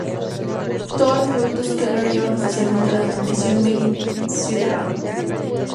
Todos los productos Keller llevan oficialmente la denominación "Made in Switzerland".